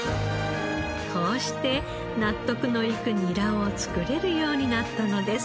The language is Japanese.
こうして納得のいくニラを作れるようになったのです。